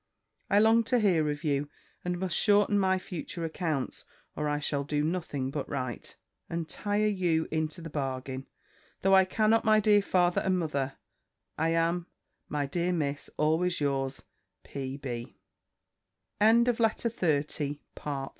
I long to hear of you, and must shorten my future accounts, or I shall do nothing but write, and tire you into the bargain, though I cannot my dear father and mother. I am, my dear Miss, always yours, P.B. LETTER XXXI _From Miss Darnford to Mrs. B.